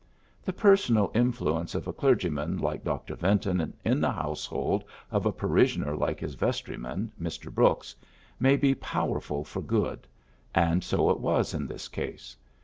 The personal influence of a clergyman like Dr. Yinton in the household of a parishioner like his vestryman, Mr. Brooks, may be powerful for good j and so it was in this case.